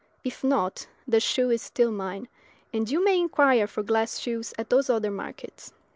If not, the shoe is still mine; and you may inquire for glass shoes at those other markets."